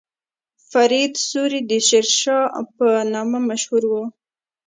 فرید سوري د شیرشاه په نامه مشهور و.